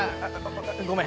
ごめん。